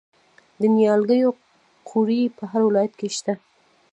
د نیالګیو قوریې په هر ولایت کې شته.